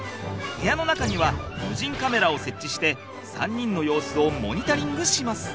部屋の中には無人カメラを設置して３人の様子をモニタリングします。